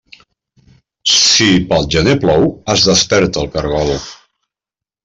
Si pel gener plou, es desperta el caragol.